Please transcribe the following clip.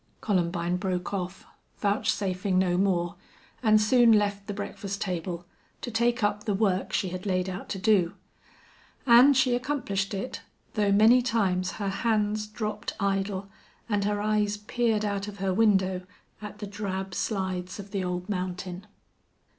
Columbine broke off, vouchsafing no more, and soon left the breakfast table, to take up the work she had laid out to do. And she accomplished it, though many times her hands dropped idle and her eyes peered out of her window at the drab slides of the old mountain.